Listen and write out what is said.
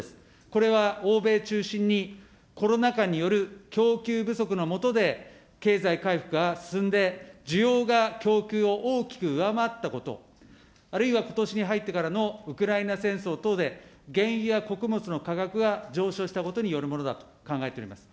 これは欧米中心にコロナ禍による供給不足の下で、経済回復が進んで、需要が供給を大きく上回ったこと、あるいはことしに入ってからのウクライナ戦争等で、原油や穀物の価格が上昇したことによるものだと考えております。